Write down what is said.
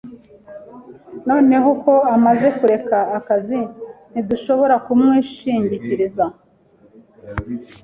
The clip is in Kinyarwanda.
Noneho ko amaze kureka akazi, ntidushobora kumwishingikiriza.